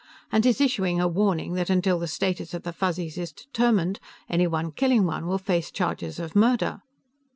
And he's issuing a warning that until the status of the Fuzzies is determined, anybody killing one will face charges of murder."